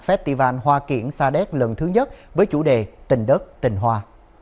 festival hoa kiển sa đéc lần thứ nhất với chủ đề tình đất tình hoa